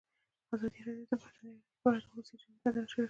ازادي راډیو د بهرنۍ اړیکې په اړه د ولسي جرګې نظرونه شریک کړي.